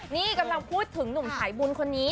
นี่กำลังพูดถึงหนุ่มสายบุญคนนี้